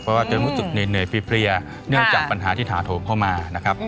เพราะว่าจะรู้สึกเหนื่อยเพลียเนื่องจากปัญหาที่ถาโถมเข้ามานะครับ